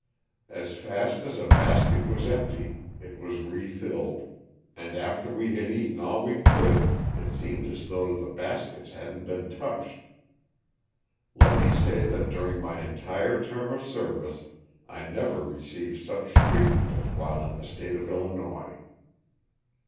As fast as a basket was empty it was refilled, and after we had eaten all we could it seemed as though the baskets hadn't been touche^* ^^^^^ ^^y ^^^* during my entire term of 68 LOSS OF THE SULTANA. service I never received such treatment as while in the State of Illinois.